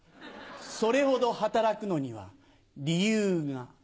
それほど働くのには理由が。